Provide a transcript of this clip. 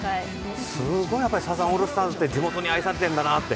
すっごい、やっぱりサザンオールスターズって地元に愛されてるんだなって。